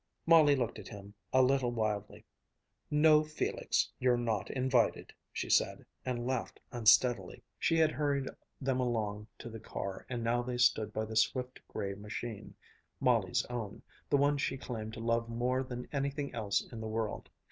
Molly looked at him a little wildly. "No, Felix, you're not invited!" she said, and laughed unsteadily. She had hurried them along to the car, and now they stood by the swift gray machine, Molly's own, the one she claimed to love more than anything else in the world.